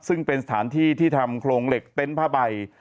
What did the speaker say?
ซึ่งเป็นสถานที่ที่ทำโครงเหล็กเต็นต์ผ้าใบ